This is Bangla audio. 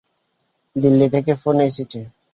দিল্লি থেকে ফোন এসেছে।